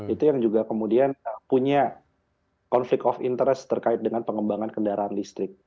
itu yang juga kemudian punya konflik of interest terkait dengan pengembangan kendaraan listrik